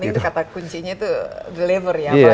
yang penting kata kuncinya tuh deliver ya